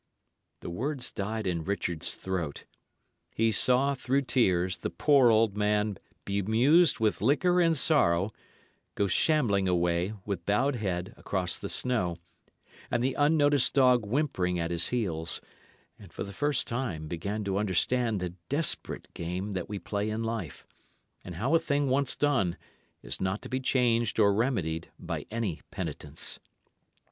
The words died in Richard's throat. He saw, through tears, the poor old man, bemused with liquor and sorrow, go shambling away, with bowed head, across the snow, and the unnoticed dog whimpering at his heels, and for the first time began to understand the desperate game that we play in life; and how a thing once done is not to be changed or remedied, by any penitence.